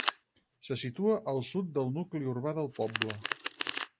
Se situa al sud del nucli urbà del poble.